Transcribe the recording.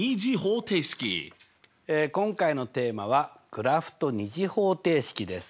今回のテーマは「グラフと２次方程式」です。